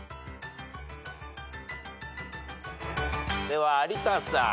では有田さん。